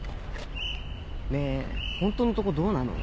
ねえホントのとこどうなの？